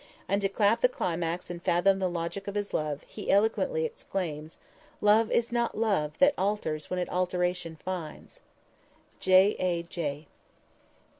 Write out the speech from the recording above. And to clap the climax and fathom the logic of love, he eloquently exclaims: "Love is not love that alters when it alteration finds!" J. A. J.